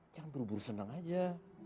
jangan buru buru senang aja